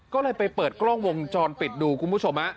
ก็เลยไปเปิดกล้องวงจรปิดดูคุณผู้ชม